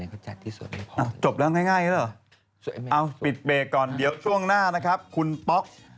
ก่อนเดี๋ยวช่วงหน้านะครับคุณป๊อก